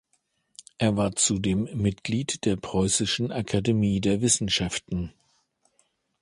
Er war zudem Mitglied der Preußischen Akademie der Wissenschaften.